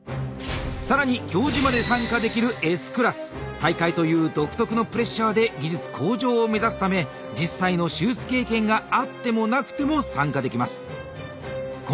大会という独特のプレッシャーで技術向上を目指すため実際の手術経験があってもなくても参加できます。